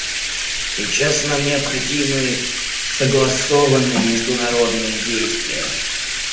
Сейчас нам необходимы согласованные международные действия.